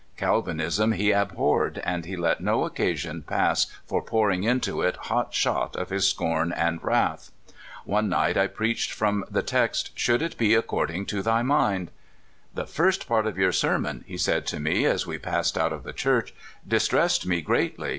Calvinism he abhorred, and he let no occasion pass for pouring into it hot shot of his scorn and wrath. One night I preached from the text: '' Should it be according to thy mind? "'' The first part of your sermon," he said to me as we passed out of the church, *' distressed me greatly.